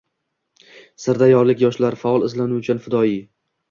Sirdaryolik yoshlar – faol, izlanuvchan, fidoying